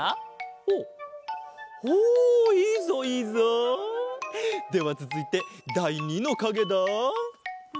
ほうほういいぞいいぞ！ではつづいてだい２のかげだ。